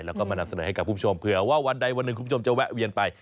แล้วก็มานำเสนอให้กับคุณผู้ชมเผื่อว่าวันใดวันหนึ่งคุณผู้ชมจะแวะเวียนไป